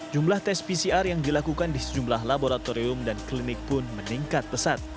jumlah tes pcr yang dilakukan di sejumlah laboratorium dan klinik pun meningkat pesat